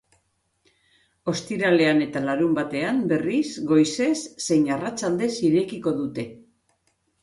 Ostiralean eta larunbatean, berriz, goizez zein arratsaldez irekiko dute.